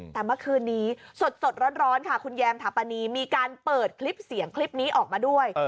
แต่เมื่อคืนนี้สดร้อนค่ะคุณแยมถาปนีมีการเปิดคลิปเสียงคลิปนี้ออกมาด้วย